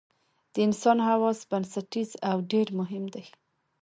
د انسان حواس بنسټیز او ډېر مهم دي.